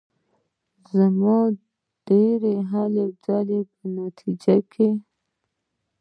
زما د ډېرو هلو ځلو په نتیجه کې.